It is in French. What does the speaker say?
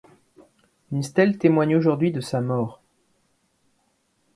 Une stèle témoigne aujourd'hui de sa mort.